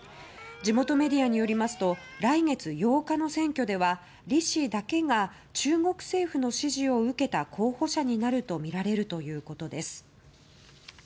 地元メディアによりますと来月８日の選挙ではリ氏だけが中国政府の支持を受けた候補者になるとみられるということです。